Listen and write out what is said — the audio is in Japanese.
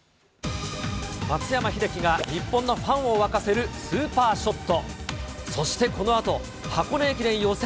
松山英樹が日本のファンを沸かせるスーパーショット。